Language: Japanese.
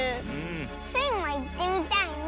スイもいってみたいな！